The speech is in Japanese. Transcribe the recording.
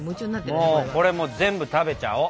もうこれ全部食べちゃお！